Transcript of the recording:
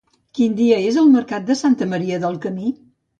Quin dia és el mercat de Santa Maria del Camí?